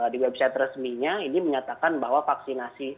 di website resminya ini menyatakan bahwa vaksinasi